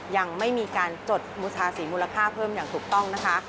ยังไม่มีการจดบูทาสีมูลค่าเพิ่มอย่างถูกต้องนะคะ